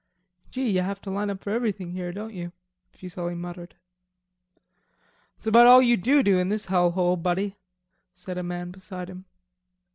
"Gee, you have to line up for everything here, don't you?" Fuselli muttered. "That's about all you do do in this hell hole, buddy," said a man beside him.